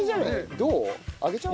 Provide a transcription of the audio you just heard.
どう？